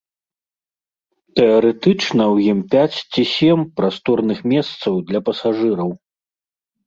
Тэарэтычна ў ім пяць ці сем прасторных месцаў для пасажыраў.